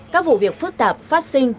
các vụ việc phức tạp phát sinh